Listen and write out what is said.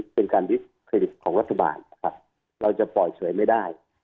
เป็นการวิเครดิตของรัฐบาลนะครับเราจะปล่อยเฉยไม่ได้